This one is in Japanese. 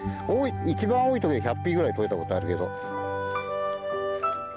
一番多い時で１００匹ぐらいとれたことあるけど。